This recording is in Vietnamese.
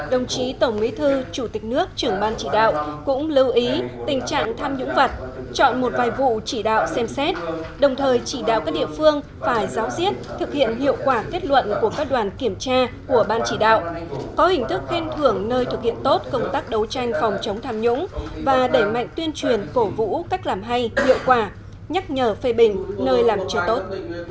đồng chí tổng mỹ thư chủ tịch nước trưởng ban chỉ đạo cũng lưu ý tình trạng tham nhũng vật chọn một vài vụ chỉ đạo xem xét đồng thời chỉ đạo các địa phương phải giáo diết thực hiện hiệu quả kết luận của các đoàn kiểm tra của ban chỉ đạo có hình thức khen thưởng nơi thực hiện tốt công tác đấu tranh phòng chống tham nhũng và đẩy mạnh tuyên truyền cổ vũ cách làm hay hiệu quả nhắc nhở phê bình nơi làm chưa tốt